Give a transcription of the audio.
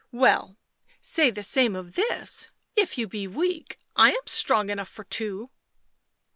" Well, say the same of this; if you be weak, I am strong enough for two."